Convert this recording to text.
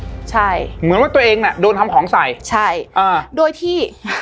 ใช่เหมือนว่าตัวเองน่ะโดนทำของใส่ใช่อ่าโดยที่